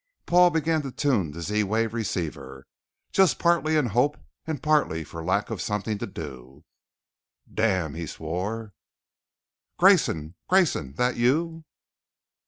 Paul began to tune the Z wave receiver, just partly in hope and partly for lack of something to do. "Damn!" he swore. "Grayson! Grayson! That you?"